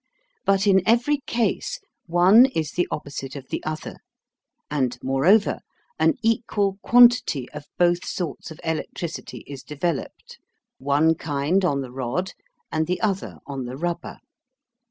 But in every case one is the opposite of the other, and moreover, an equal quantity of both sorts of electricity is developed, one kind on the rod and the other on the rubber.